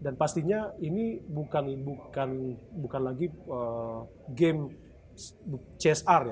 dan pastinya ini bukan lagi game csr ya